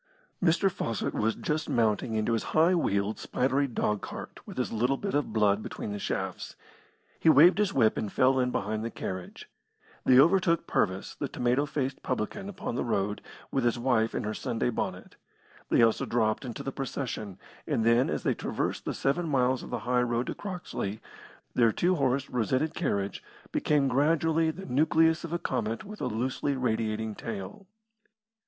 Mr. Fawcett was just mounting into his high wheeled, spidery dogcart, with his little bit of blood between the shafts. He waved his whip and fell in behind the carriage. They overtook Purvis, the tomato faced publican, upon the road, with his wife in her Sunday bonnet. They also dropped into the procession, and then, as they traversed the seven miles of the high road to Croxley, their two horsed, rosetted carriage became gradually the nucleus of a comet with a loosely radiating tail.